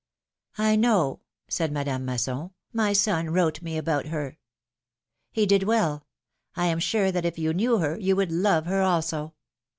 ^^ I know,'^ said Madame Masson ; my son wrote me about her.^^ He did well ; I am sure that if you knew her, you would love her also.